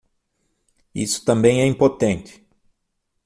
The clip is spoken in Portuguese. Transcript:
Isso também é impotente